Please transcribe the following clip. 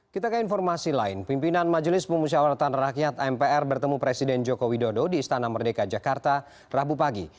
kita ke informasi lain pimpinan majelis pemusyawaratan rakyat mpr bertemu presiden joko widodo di istana merdeka jakarta rabu pagi